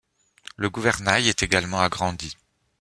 Le gouvernail est également agrandi.